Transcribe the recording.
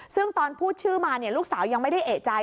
ซึ่งตอนพูดชื่อมาลูกสาวยังไม่ได้เอกใจ